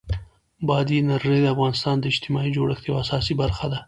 بادي انرژي د افغانستان د اجتماعي جوړښت یوه اساسي برخه ده.